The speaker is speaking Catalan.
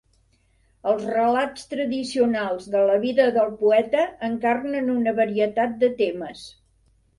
Els relats tradicionals de la vida del poeta encarnen una varietat de temes.